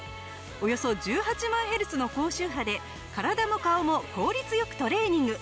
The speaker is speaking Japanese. およそ１８万ヘルツの高周波で体も顔も効率良くトレーニング。